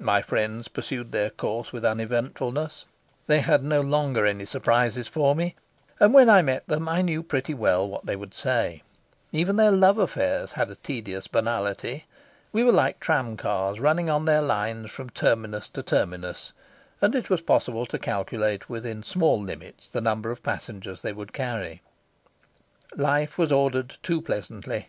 My friends pursued their course with uneventfulness; they had no longer any surprises for me, and when I met them I knew pretty well what they would say; even their love affairs had a tedious banality. We were like tram cars running on their lines from terminus to terminus, and it was possible to calculate within small limits the number of passengers they would carry. Life was ordered too pleasantly.